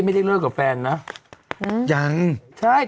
สำหรับออมช้า